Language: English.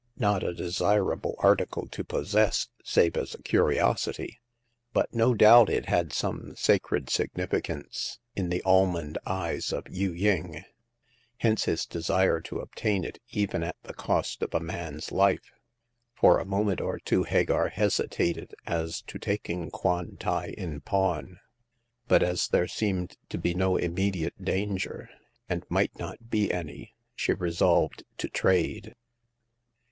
Not a desirable article to possess, save as a curiosity ; but no doubt it had some sacred significance in the almond eyes of Yu ying ; hence his desire to obtain it, even at the cost of a man's life. For a moment or two Hagar hesitated as to taking Kwan tai in pawn ; but as there seemed to be no immediate danger, and might not be any, she resolved to trade.